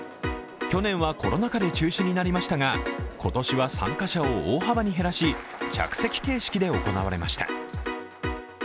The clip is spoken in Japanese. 去年はコロナ禍で中止になりましたが今年は参加者を大幅に減らし着席形式で行われました。